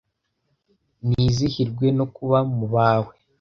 Nizihirwe no kuba mu bawe